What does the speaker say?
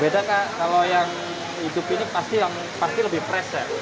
beda kak kalau yang hidup ini pasti yang pasti lebih fresh ya